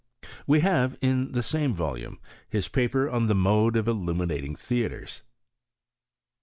• We have, in the same volume, his paper on the mode of illuminating theatres.